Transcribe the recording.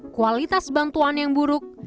kualitas bantuan yang buruk